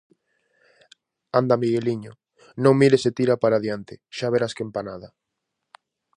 "Anda, Migueliño, non mires e tira para diante, xa verás que empanada".